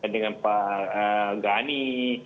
dengan pak ghani